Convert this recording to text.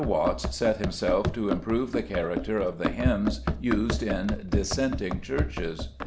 Watts set himself to improve the character of the hymns used in dissenting churches.